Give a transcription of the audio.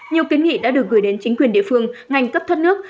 nhiều kiến nghị đã được gửi đến chính quyền địa phương ngành cấp thoát nước